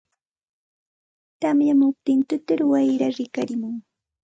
tamyamuptin tutur wayraa rikarimun.